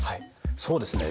そうですね